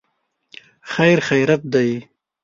خیر خیریت دی.